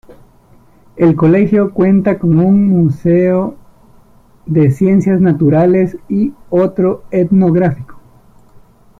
El Colegio cuenta con un museo de ciencias naturales y otro etnográfico.